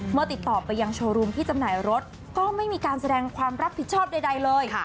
ติดต่อไปยังโชว์รูมที่จำหน่ายรถก็ไม่มีการแสดงความรับผิดชอบใดเลย